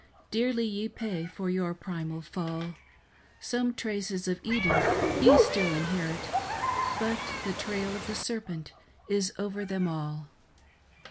Dearly ye pay for your primal fall ; Some traces of Eden ye still inherit, But the trail of the serpent is over them all."